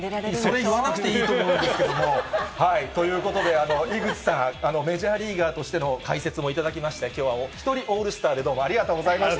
それは言わなくていいと思うんですけれども。ということで、井口さん、メジャーリーガーとしての解説もいただきまして、きょうは一人オールスターでどうもありがとうございました。